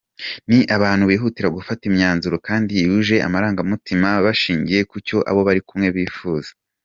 Ni abantu bihutira gufata imyanzuro kandi yuje amarangamutima bashingiye kucyo abo bari kumwe bifuza.